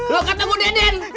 lu kata gue deden